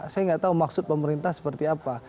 saya nggak tahu maksud pemerintah seperti apa